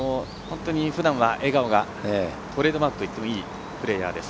ふだんは笑顔がトレードマークといってもいいプレーヤーです。